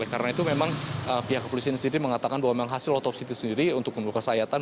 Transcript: karena itu memang pihak kepolisian sendiri mengatakan bahwa memang hasil otopsi itu sendiri untuk luka sayatan